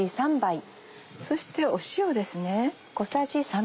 そして塩です。